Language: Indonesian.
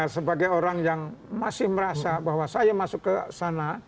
sebagai orang yang masih merasa bahwa saya masuk ke sana